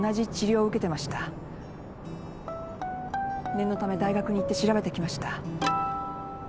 念のため大学に行って調べてきました。